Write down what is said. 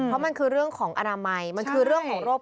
เพราะมันคือเรื่องของอนามัยมันคือเรื่องของโรค